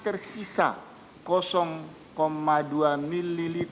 tersisa dua ml